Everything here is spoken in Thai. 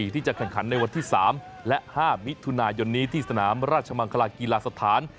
ที่จะแข่งขันในวันที่๓และ๕มิถุนายนนี้ที่สนามราชมังคลากีฬาสถาน